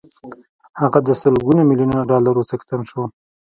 هغه د سلګونه ميليونه ډالرو څښتن شو.